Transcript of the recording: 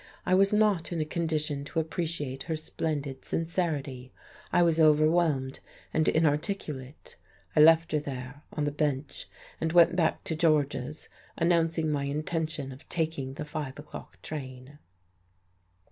I was not in a condition to appreciate her splendid sincerity. I was overwhelmed and inarticulate. I left her there, on the bench, and went back to George's, announcing my intention of taking the five o'clock train....